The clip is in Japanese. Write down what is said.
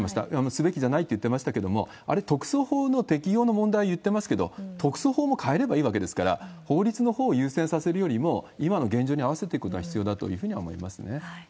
すべきじゃないと言っていましたけれども、あれ、特措法の適用の問題言っていますけれども、特措法も変えればいいわけですから、法律のほうを優先させるよりも、今の現状に合わせていくことが必要だというふうには思いますね。